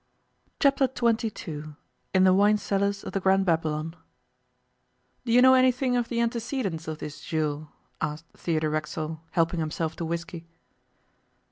Chapter Twenty Two IN THE WINE CELLARS OF THE GRAND BABYLON 'DO you know anything of the antecedents of this Jules,' asked Theodore Racksole, helping himself to whisky.